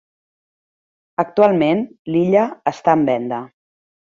Actualment l'illa està en venda.